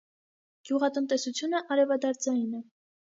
Գյուղատնտեսությունը արևադարձային է։